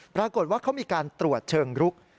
ปรากฏว่าเขามีการตรวจเชิงรุก